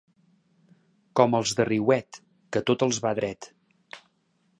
Com els de Riuet, que tot els va dret.